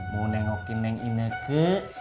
mau nengokin neng inek ke